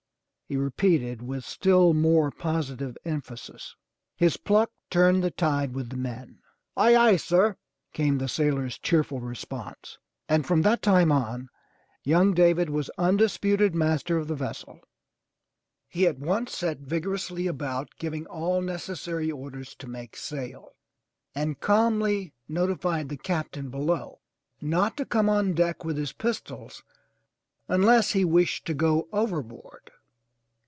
he repeated with still more positive emphasis. His pluck turned the tide with the men. 358 THE TREASURE CHEST "Ay, ay, sir," came the sailor's cheerful response, and from that time on, young David was undisputed master of the ves sel. He at once set vigorously about giving all necessary orders to make sail, and calmly notified the Captain below not to come on deck with his pistols unless he wished to go overboard!